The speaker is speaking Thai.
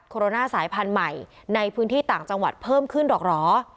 โรนาสายพันธุ์ใหม่ในพื้นที่ต่างจังหวัดเพิ่มขึ้นหรอกเหรอ